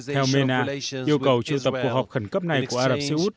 theo mena yêu cầu triệu tập cuộc họp khẩn cấp này của ả rập xê út